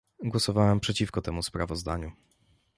Głosowałam przeciwko temu sprawozdaniu